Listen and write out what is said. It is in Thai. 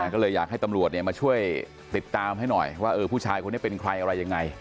ก็เลยอยากให้ตำรวจมาช่วยติดตามให้หน่อยว่าผู้ชายคนนี้เป็นใครอะไรยังไง